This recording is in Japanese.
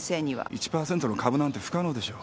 １パーセントの株なんて不可能でしょ？